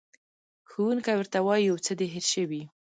ښوونکی ورته وایي، یو څه دې هېر شوي.